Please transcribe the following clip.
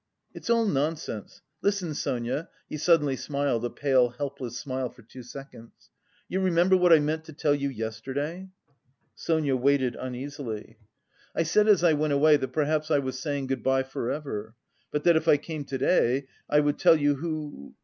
"It's all nonsense.... Listen, Sonia." He suddenly smiled, a pale helpless smile for two seconds. "You remember what I meant to tell you yesterday?" Sonia waited uneasily. "I said as I went away that perhaps I was saying good bye for ever, but that if I came to day I would tell you who...